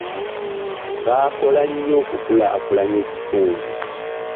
Baakola nnyo okukulaakulanya ekitundu.